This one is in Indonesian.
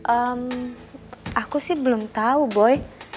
ehm aku sih belum tahu boy